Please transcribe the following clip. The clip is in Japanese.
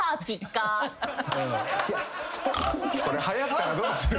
それはやったらどうする。